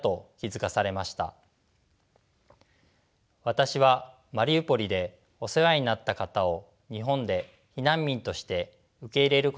私はマリウポリでお世話になった方を日本で避難民として受け入れることにしました。